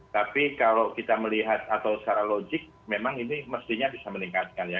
tapi kalau kita melihat atau secara logik memang ini mestinya bisa meningkatkan ya